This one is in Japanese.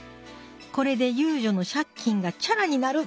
これで遊女の借金がチャラになる！